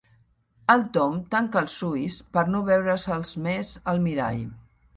El Tom tanca els ulls per no veure-se'ls més al mirall.